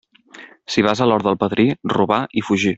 Si vas a l'hort del padrí, robar i fugir.